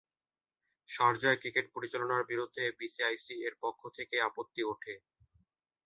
শারজায় cricket পরিচালনার বিরুদ্ধে BCCI এর পক্ষ থেকে আপত্তি উঠে।